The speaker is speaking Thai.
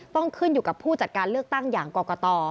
ต้องขึ้นอยู่กับผู้จัดการเลือกตั้งอย่างกรกต